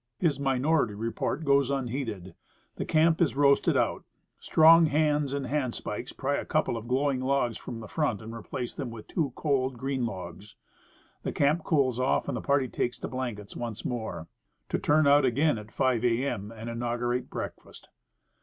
His minority report goes unheeded. The camp is roasted out. Strong hands and hand spikes pry a couple of glowing logs from the front and replace them with two cold, green logs; the camp cools off, and the party takes to blankets once more to turn out again at 5 A. M., and inaugurate breakfast.